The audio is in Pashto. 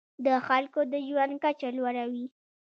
د خلکو د ژوند کچه لوړوي.